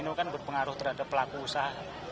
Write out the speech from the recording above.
ini kan berpengaruh terhadap pelaku usaha